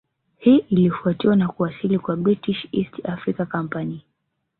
Hii ilifuatiwa na kuwasili kwa British East Africa Company